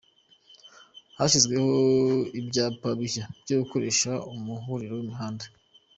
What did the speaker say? Hashyizweho ibyapa bishya byo gukoresha amahuriro y’imihanda